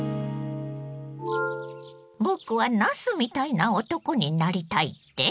僕は「なすみたいな男」になりたいって？